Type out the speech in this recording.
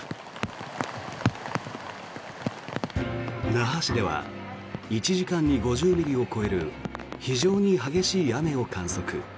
那覇市では１時間に５０ミリを超える非常に激しい雨を観測。